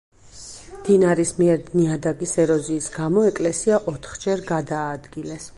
მდინარის მიერ ნიადაგის ეროზიის გამო ეკლესია ოთხჯერ გადააადგილეს.